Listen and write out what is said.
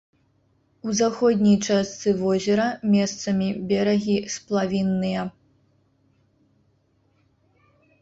У заходняй частцы возера месцамі берагі сплавінныя.